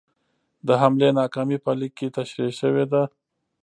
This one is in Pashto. د حملې ناکامي په لیک کې تشرېح شوې ده.